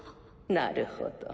なるほど。